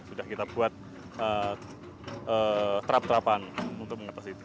sudah kita buat terap terapan untuk mengatasi itu